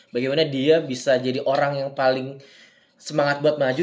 bagaimana dia bisa jadi orang yang paling semangat buat maju